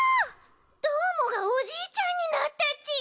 どーもがおじいちゃんになったち！